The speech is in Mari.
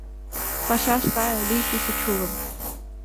Пашаш кае, лий писе-чулым